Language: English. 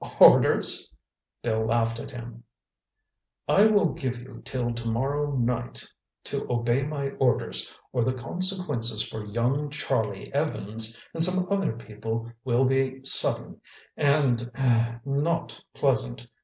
"Orders?" Bill laughed at him. "I will give you till tomorrow night to obey my orders or the consequences for young Charlie Evans and some other people will be sudden and—er—not pleasant.